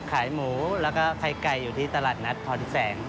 ขายหมูแล้วก็ไข่ไก่อยู่ที่ตลาดนัดพรแสง